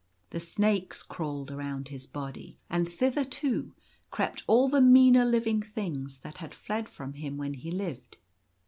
The snakes crawled around his body; and thither, too, crept all the meaner living things that had fled from him when he lived.